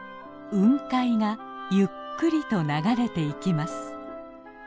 雲海がゆっくりと流れていきます。